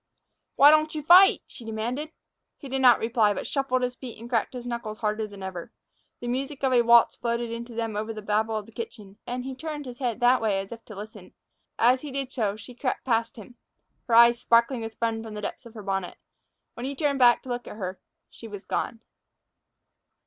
"Why don't you fight!" she demanded. He did not reply, but shuffled his feet and cracked his knuckles harder than ever. The music of a waltz floated in to them over the babble of the kitchen, and he turned his head that way as if to listen. As he did so she crept past him, her eyes sparkling with fun from the depths of the bonnet. When he turned back to look at her, she was gone.